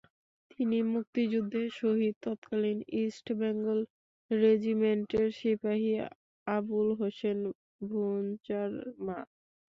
তিনি মুক্তিযুদ্ধে শহীদ তৎকালীন ইস্ট বেঙ্গল রেজিমেন্টের সিপাহি আবুল হোসেন ভূঞার মা।